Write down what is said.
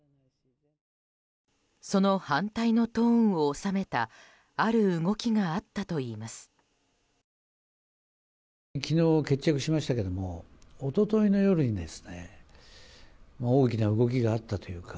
その反対のトーンを収めたある動きがあったといいます。